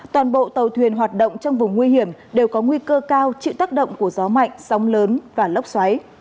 toàn bộ tàu thuyền hoạt động trong vùng nguy hiểm đều có nguy cơ cao chịu tác động của gió mạnh sóng lớn và lốc xoáy